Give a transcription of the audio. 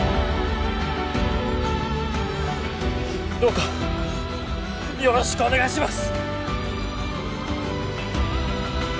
どうかよろしくお願いします！